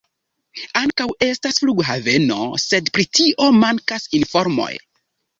Ankaŭ estas flughaveno, sed pri tio mankas informoj.